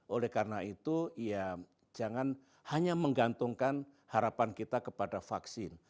oleh karena itu ya jangan hanya menggantungkan harapan kita kepada vaksin